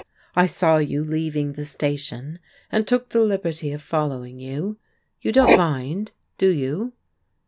" I saw you leaving the station and took the liberty of following you. You don't mind, do you?"